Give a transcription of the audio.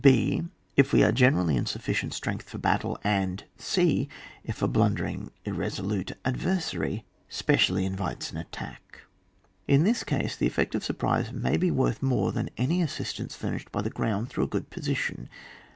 {h) If we are generally in sufficient strength for battle, and — {e) If a blundering, irresolute adver sary specially invites an attack. In this case the effect of surprise may be worth more than any assistance fur nished by the ground through a good position.